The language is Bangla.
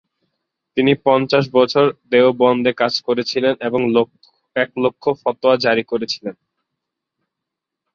তিনি পঞ্চাশ বছর দেওবন্দে কাজ করেছিলেন এবং এক লক্ষ ফতোয়া জারি করেছিলেন।